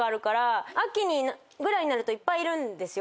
秋ぐらいになるといっぱいいるんですよ。